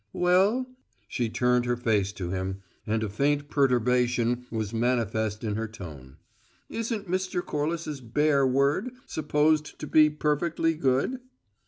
"Well?" She turned her face to him, and a faint perturbation was manifest in her tone. "Isn't Mr. Corliss's `bare word' supposed to be perfectly good?"